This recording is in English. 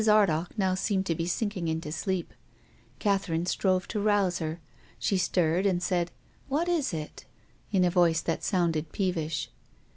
Ardagh now seemed to be sinking into sleep — Catherine strove to rouse her. She stirred and said, " What is it ?" in a voice that sounded peevish.